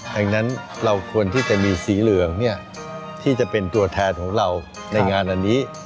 ดังนั้นเราควรที่จะมีสีเหลืองที่จะเป็นตัวแทนของเราในงานอันนี้